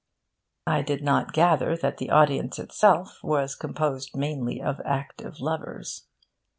I did not gather that the audience itself was composed mainly of active lovers.